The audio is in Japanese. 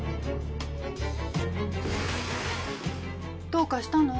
どうかしたの？